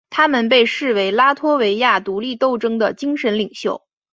他们被视为拉脱维亚独立斗争的精神领袖。